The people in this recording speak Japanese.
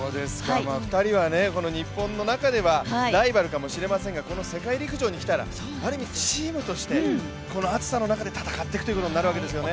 ２人は日本の中ではライバルかもしれませんがこの世界陸上に来たら、チームとしてこの暑さの中で戦っていくということになるわけですよね。